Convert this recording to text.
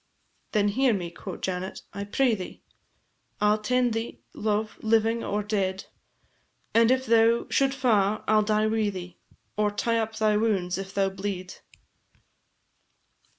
"Then hear me," quo' Janet, "I pray thee, I 'll tend thee, love, living or dead, And if thou should fa' I 'll die wi' thee, Or tie up thy wounds if thou bleed."